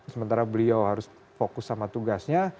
sementara beliau harus fokus sama tugasnya